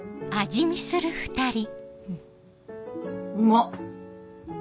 うまっ！